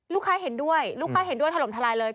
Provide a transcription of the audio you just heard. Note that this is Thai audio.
เห็นด้วยลูกค้าเห็นด้วยถล่มทลายเลย